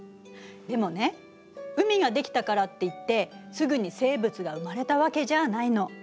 でもね海が出来たからっていってすぐに生物が生まれたわけじゃないの。